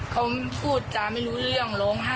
เขาไม่มีสติเขาพูดจ๋าไม่รู้เรื่องร้องไห้